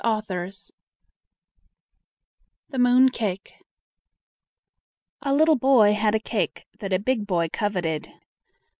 THE MOON CAKE A little boy had a cake that a big boy coveted.